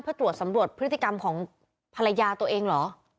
เพื่อตรวจสำรวจพฤติกรรมของภรรยาตัวเองเหรอ